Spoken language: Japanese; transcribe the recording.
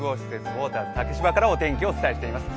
ウォーターズ竹芝からお天気をお伝えしています。